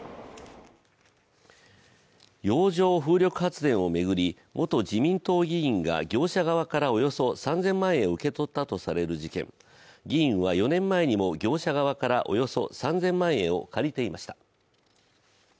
洋上風力発電を巡り元自民党議員が業者側からおよそ３０００万円を受け取ったとされる事件、議員は４年前にも業者側からおよそ３０００万円を借りていました。